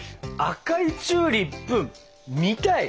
赤いチューリップ見たい？